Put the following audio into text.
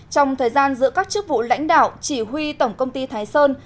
ba trong thời gian giữa các chức vụ lãnh đạo chỉ huy tổng công ty thái sơn